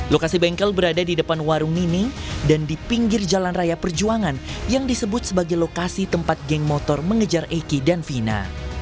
lokasi bengkel berada di depan warung nining dan di pinggir jalan raya perjuangan yang disebut sebagai lokasi tempat geng motor mengejar eki dan vina